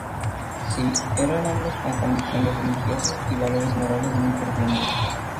Si, eran hombres con convicciones religiosas y valores morales muy profundos.